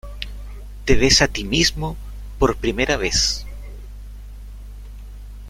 Te ves a ti mismo por primera vez.